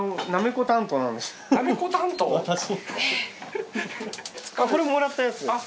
これもらったやつ。